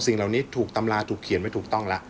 สิ่งเหล่านี้ถูกตำราถูกเขียนไว้ถูกต้องแล้ว